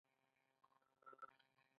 د سینې د زخم لپاره د خپلې شیدې وکاروئ